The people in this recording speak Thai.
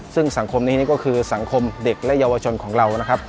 ซึ่งสังคมนี้นี่ก็คือสังคมเด็กและเยาวชนของเรานะครับ